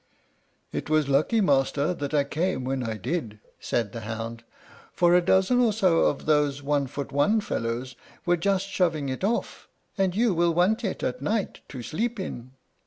"It was lucky, master, that I came when I did," said the hound, "for a dozen or so of those one foot one fellows were just shoving it off, and you will want it at night to sleep in."